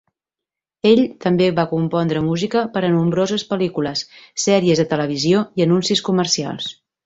Ell també va compondre música per a nombroses pel·lícules, sèries de televisió i anuncis comercials.